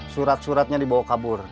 surat suratnya dibawa kabur